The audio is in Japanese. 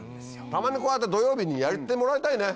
たまにこうやって土曜日にやってもらいたいね。